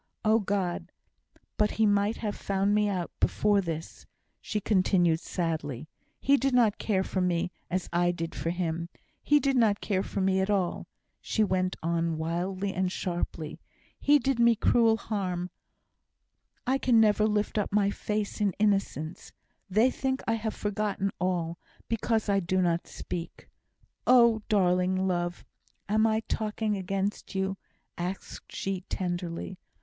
"Oh, God! but he might have found me out before this," she continued, sadly. "He did not care for me, as I did for him. He did not care for me at all," she went on wildly and sharply. "He did me cruel harm. I can never again lift up my face in innocence. They think I have forgotten all, because I do not speak. Oh, darling love! am I talking against you?" asked she, tenderly.